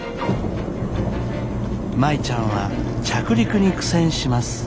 舞ちゃんは着陸に苦戦します。